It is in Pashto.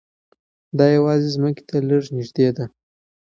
دا یوازې ځمکې ته لږ نږدې ده.